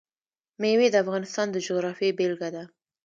مېوې د افغانستان د جغرافیې بېلګه ده.